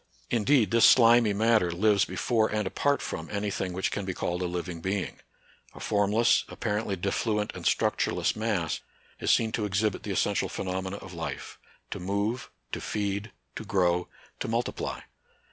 In deed this slimy matter lives before and apart from any thing which can be called a living being. A formless, apparently diffluent and structureless mass is seen to exhibit the essen tial phenomena of life, — to move, to feed, to grow, to multiply.